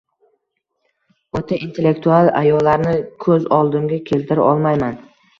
o‘ta intellektual ayollarni ko‘z oldimga keltira olmayman?